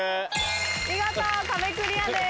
見事壁クリアです。